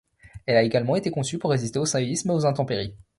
Elle a également été conçue pour résister aux séismes et aux intempéries.